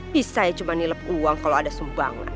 bisa ya cuma nilep uang kalau ada sumbangan